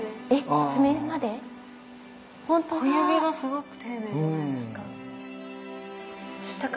小指がすごく丁寧じゃないですか。